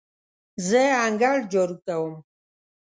زه انګړ جارو کوم.